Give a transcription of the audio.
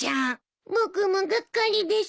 僕もがっかりです。